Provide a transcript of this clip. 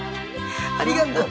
ありがとう。